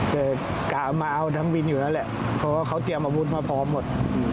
แต่กะมาเอาทั้งวินอยู่แล้วแหละเพราะว่าเขาเตรียมอาวุธมาพร้อมหมด